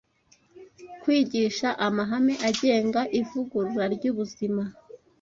Kwigisha amahame agenga ivugurura ry’ubuzima